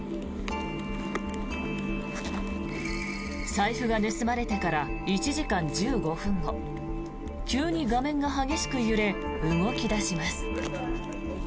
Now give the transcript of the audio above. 財布が盗まれてから１時間１５分後急に画面が激しく揺れ動き出します。